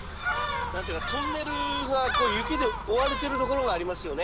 何ていうかトンネルが雪で覆われてる所がありますよね？